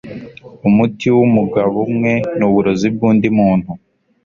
Umuti wumugabo umwe nuburozi bwundi muntu